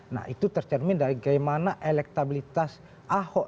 nah itu tercermin dari bagaimana elektabilitas ahok